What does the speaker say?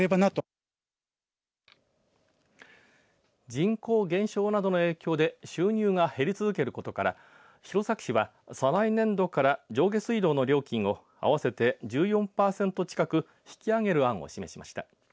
人口減少などの影響で収入が減り続けることから弘前市は再来年度から上下水道の料金を合わせて１４パーセント近く引き上げる案を示しました。